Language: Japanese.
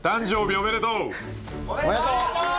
・おめでとう！